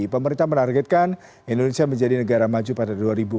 pemerintah menargetkan indonesia menjadi negara maju pada dua ribu empat puluh